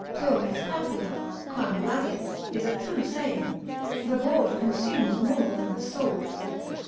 Plures crapula, quam gladius, is a true saying, the board consumes more than the sword.